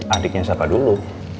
adiknya siapa dulu